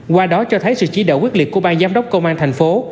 qua đó cho thấy sự chỉ đạo quyết liệt của bang giám đốc công an thành phố